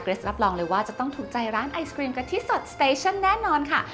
รับรองเลยว่าจะต้องถูกใจร้านไอศกรีมกะทิสดสเตชั่นแน่นอนค่ะ